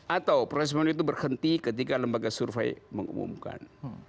atau proses itu berhenti ketika lembaga survei mengumumkan